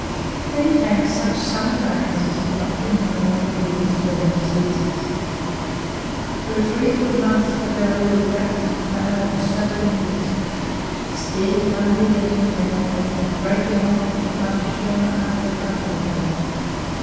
Then came such summer rains as had not been known in the Hills for many seasons. Through three good months the valley was wrapped in cloud and soaking mist steady, unrelenting downfall, breaking off into thunder shower after thunder shower.